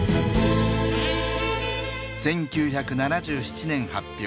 １９７７年発表。